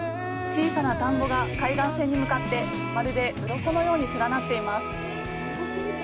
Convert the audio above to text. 小さな田んぼが海岸線に向かってまるで鱗のように連なっています。